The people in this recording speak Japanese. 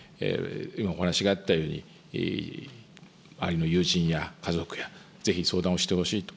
今お話があったように、友人や家族や、ぜひ相談をしてほしいと。